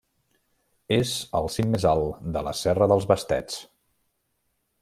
És el cim més alt de la Serra dels Bastets.